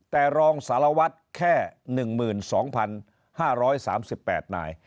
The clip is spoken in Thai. แต่รองสารวัตรแค่๑๒๕๓๘นาย